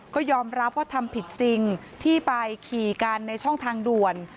ก็ยอมรับว่าทำผิดจริงที่ไปขี่กันในช่องทางด่วน